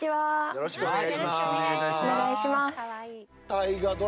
よろしくお願いします。